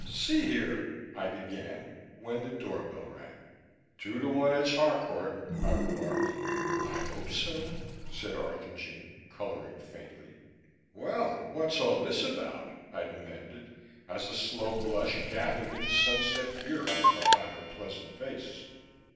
"See here " I began, when the door bell rang. "Two to one it's Harcourt," I remarked. "I hope so," said Arthurjean coloring faintly. "Well, what's all this about?" I demanded, as a slow blush gathered in sunset fury upon her pleasant face.